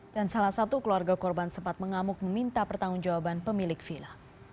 dan salah satu keluarga korban sempat mengamuk meminta pertanggung jawaban pemilik villa